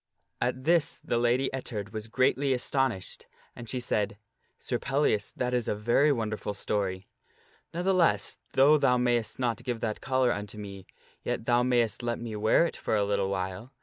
At this the Lady Ettard was greatly astonished, and she said, " Sir Pel lias, that is a very wonderful story. Ne'theless, though thou mayst not give that collar unto me, yet thou mayst let me wear it for a little while.